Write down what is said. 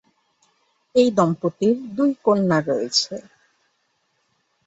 এই দম্পতির দুই কন্যা রয়েছে।